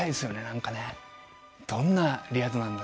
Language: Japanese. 何かねどんなリアドなんだろう？